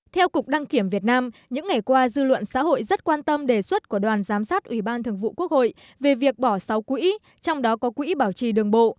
theo cục đăng kiểm việt nam những ngày qua dư luận xã hội rất quan tâm đề xuất của đoàn giám sát ủy ban thường vụ quốc hội về việc bỏ sáu quỹ trong đó có quỹ bảo trì đường bộ